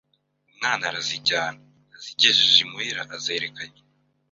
Umwana arazijyana. Azigejeje imuhira azereka nyina.